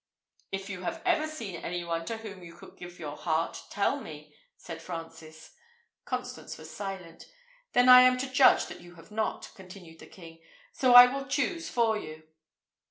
"If you have ever seen any one to whom you could give your heart, tell me," said Francis. Constance was silent. "Then I am to judge that you have not," continued the king; "so I will choose for you."